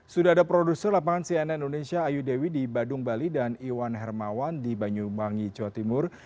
sudah ada produser lapangan cnn indonesia ayu dewi di badung bali dan iwan hermawan di banyuwangi jawa timur